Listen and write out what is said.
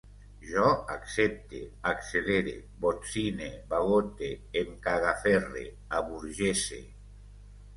Jo accepte, accelere, botzine, bagote, em cagaferre, aburgese